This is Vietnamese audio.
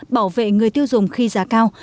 bảo vệ người tiêu dùng khi giá cao